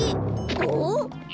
おっ！